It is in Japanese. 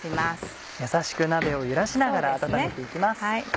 優しく鍋を揺らしながら温めて行きます。